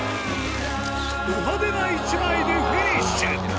ド派手な一枚でフィニッシュ。